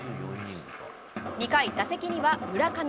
２回、打席には村上。